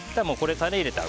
タレを入れます。